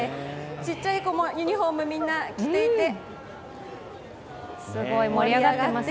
ちっちゃい子もユニフォームみんな着ていて盛り上がっています。